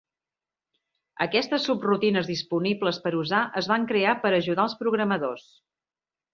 Aquestes subrutines disponibles per usar es van crear per ajudar els programadors.